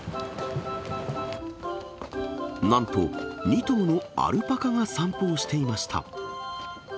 なんと、２頭のアルパカが散歩をしていました。